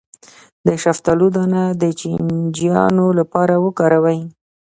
د شفتالو دانه د چینجیانو لپاره وکاروئ